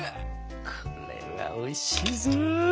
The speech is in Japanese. これはおいしいぞ。